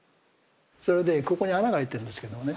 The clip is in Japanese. それでここに穴が開いてるんですけどもね。